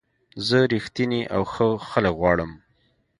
زه رښتیني او ښه خلک غواړم.